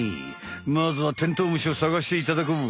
まずはテントウムシをさがしていただこう。